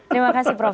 terima kasih prof